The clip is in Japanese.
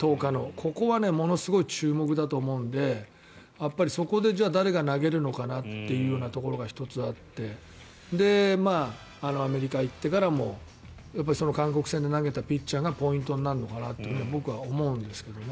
ここはものすごい注目だと思うのでそこで、じゃあ誰が投げるのかなというところが１つあってアメリカに行ってからもその韓国戦で投げたピッチャーがポイントになるのかなと僕は思うんですけどね。